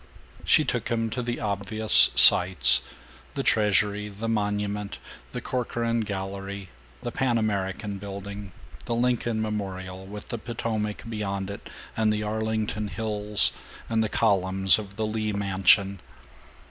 She took him to the obvious "sights" the Treasury, the Monument, the Corcoran Gallery, the Pan American Building, the Lincoln Memorial, with the Potomac beyond it and the Arlington hills and the columns of the Lee Mansion.